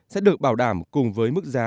sẽ được bảo đảm cùng với mức giá